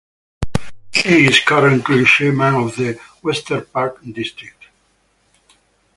She is currently chairman of the Westerpark district.